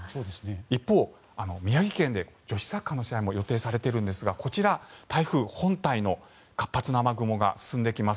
一方、宮城県で女子サッカーの試合も予定されているんですがこちら、台風本体の活発な雨雲が進んできます。